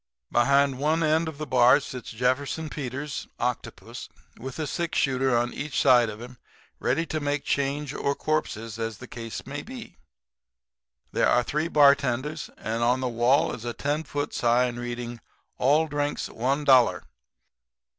"Behind one end of the bar sits Jefferson Peters, octopus, with a sixshooter on each side of him, ready to make change or corpses as the case may be. There are three bartenders; and on the wall is a ten foot sign reading: 'All Drinks One Dollar.'